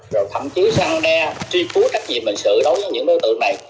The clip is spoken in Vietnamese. rồi thậm chí săn đe tri phú trách nhiệm hình sự đối với những đối tượng này